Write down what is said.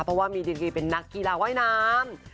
เพราะว่ามีดีกีเป็นนักกีฬาว่ายน้ำ